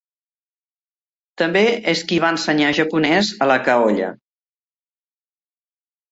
També és qui va ensenyar japonès a la Kaolla.